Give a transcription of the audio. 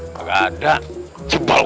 gak ada jempol gue